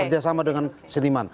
kerjasama dengan seniman